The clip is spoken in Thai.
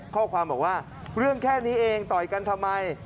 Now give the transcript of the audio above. ข้อความบอกว่าเรื่องแค่นี้เองต่อยกันทำไม